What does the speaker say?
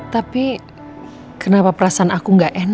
jadi hum boats itu pertpet